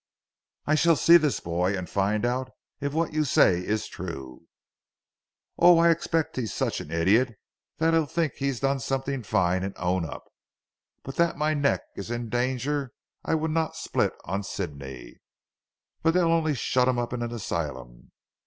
"I shall see this boy, and find out if what you say is true." "Oh! I expect he's such an idiot that he'll think he's done something fine and own up. But that my neck is in danger, I would not split on Sidney. But they'll only shut him up in an asylum.